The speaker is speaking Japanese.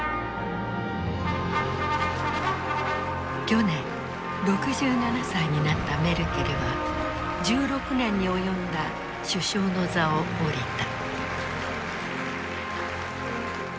去年６７歳になったメルケルは１６年に及んだ首相の座を降りた。